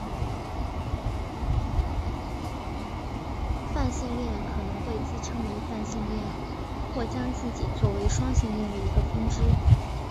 泛性恋可能会自称为泛性恋或将自己做为双性恋的一个分支。